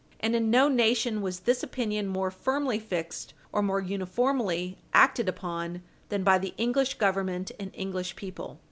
And in no nation was this opinion more firmly fixed or more Page 60 U. S. 408 uniformly acted upon than by the English Government and English people.